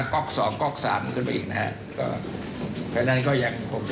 ก็คงจะเครียดกันมากนะคะตอนจังหวะนี้